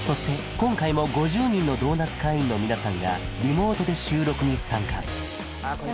今回も５０人のドーナツ会員の皆さんがリモートで収録に参加あこんにちは